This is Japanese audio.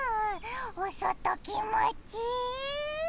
おそときもちいい。